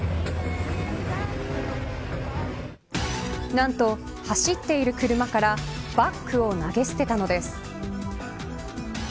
なんと走っている車からバッグを投げ捨てたのです。